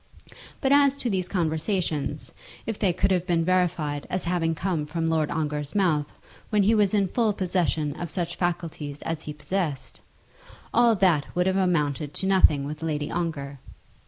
But as to these conversations, if they could have been verified as having come from Lord Ongar's mouth when he was in full possession of such faculties as he possessed, all that would have amounted to nothing with Lady Ongar.